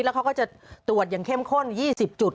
แล้วเขาก็จะตรวจอย่างเข้มข้น๒๐จุด